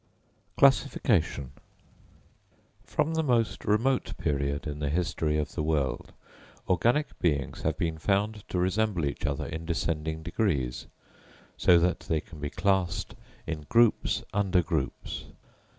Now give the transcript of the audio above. Classification. From the most remote period in the history of the world organic beings have been found to resemble each other in descending degrees, so that they can be classed in groups under groups.